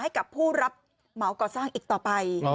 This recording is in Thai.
ให้กับผู้รับเหมาก่อสร้างอีกต่อไป